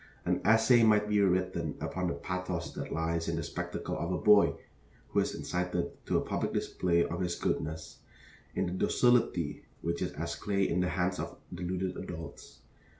An essay might be written upon the pathos that lies in the spectacle of a boy who is incited to a public display of his goodness; in the docility which is as clay in the hands of deluded adults.